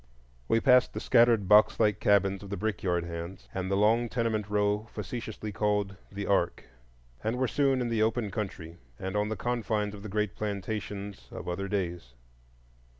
We passed the scattered box like cabins of the brickyard hands, and the long tenement row facetiously called "The Ark," and were soon in the open country, and on the confines of the great plantations of other days.